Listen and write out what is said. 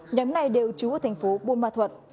nhóm này đều trú ở thành phố buôn ma thuật